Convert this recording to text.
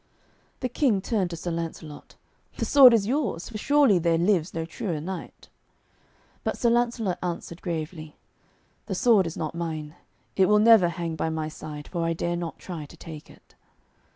The King turned to Sir Lancelot. 'The sword is yours, for surely there lives no truer knight.' But Sir Lancelot answered gravely, 'The sword is not mine. It will never hang by my side, for I dare not try to take it.'